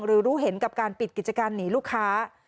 รู้เห็นกับการปิดกิจการหนีลูกค้า